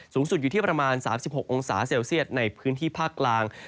สูงสุดอยู่ที่ประมาณ๓๖องศาเซลเซียตในพื้นที่ภาคกลาง